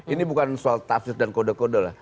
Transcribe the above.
ini bukan soal tafsir dan kode kode lah